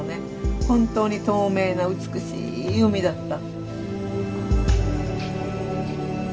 本当に透明な美しい海だった。